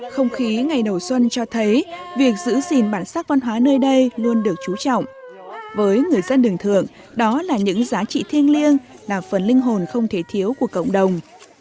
không khí ngày đầu xuân cho thấy việc giữ gìn bản sắc văn hóa nơi đây luôn được chú trọng với người dân đường thượng đó là những giá trị thiêng liêng là phần linh hồn không thể thiếu của cộng đồng